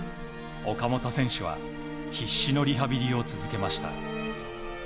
岡本選手は必死のリハビリを続けました。